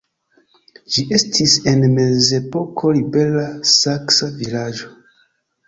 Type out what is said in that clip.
Ĝi estis en mezepoko libera saksa vilaĝo.